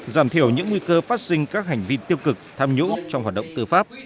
giảm thiểu những nguy cơ phát sinh các hành vi tiêu cực tham nhũng trong hoạt động tư pháp